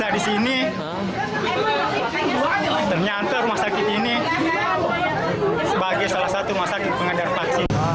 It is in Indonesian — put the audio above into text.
anakku dari sejak istriku umil bisa di sini ternyata rumah sakit ini sebagai salah satu rumah sakit pengadar vaksin